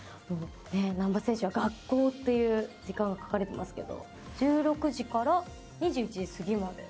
難波選手は学校っていう時間が書かれてますけど１６時から２１時過ぎまで。